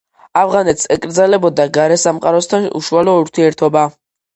ავღანეთს ეკრძალებოდა გარესამყაროსთან უშუალო ურთიერთობა.